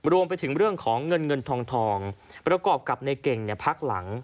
รวมไปถึงเรื่องของเงินเงินทองประกอบกับในเก่งพักหลัง